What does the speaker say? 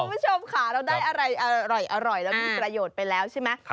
คุณผู้ชมค่ะเราได้อะไรอร่อยเรามีประโยชน์ไปแล้วใช่ไหม